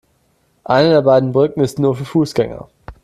Eine der beiden Brücken ist nur für Fußgänger.